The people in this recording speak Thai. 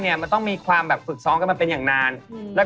ใช่มันเอามาเปยุกใช้กันได้เลย